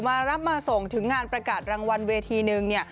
มารับมาส่งถึงงานประกาศรางวัลเวทีหนึ่งเนี่ย